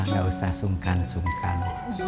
gak usah sungkan sungkan